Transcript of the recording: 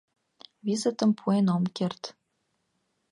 Визытым пуэн ом керт.